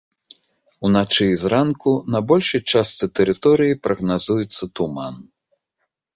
Уначы і зранку на большай частцы тэрыторыі прагназуецца туман.